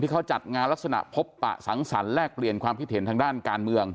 เขาจัดงานลักษณะพบปะสังสรรค์แลกเปลี่ยนความคิดเห็นทางด้านการเมือง